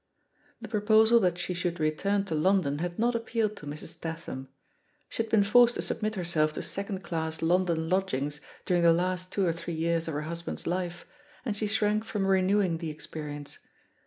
The proposal that she should return to Lon don had not appealed to Mrs. Tatham. She had been forced to submit herself to second class London lodgings during the last two or three years of her husband's life, and she shrank from renewing the experience.